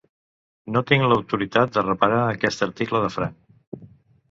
No tinc l'autoritat de reparar aquest article de franc.